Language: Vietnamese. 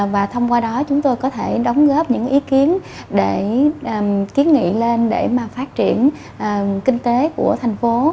và thông qua đó chúng tôi có thể đóng góp những ý kiến để kiến nghị lên để mà phát triển kinh tế của thành phố